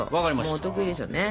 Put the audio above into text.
もうお得意ですよね。